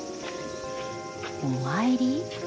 お参り？